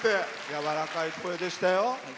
やわらかい声でしたよ。